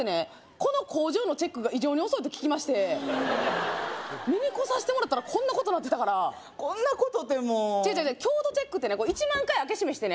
この工場のチェックが異常に遅いと聞きまして見に来させてもらったらこんなことなってたからこんなことってもう違う違う違う強度チェックってね１万回開け閉めしてね